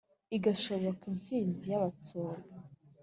igashooka imfizi y'abatsobe